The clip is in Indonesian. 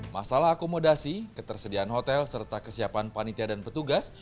masalah akomodasi ketersediaan hotel serta kesiapan panitia dan petugas